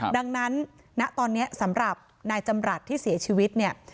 ดังนั้นณตอนนี้สำหรับนายจำรัฐที่เสียชีวิตเนี่ย